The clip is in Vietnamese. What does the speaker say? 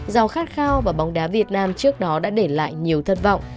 giàu khát khao và bóng đá việt nam trước đó đã để lại nhiều thất vọng